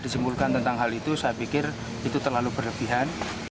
saya pikir itu terlalu berlebihan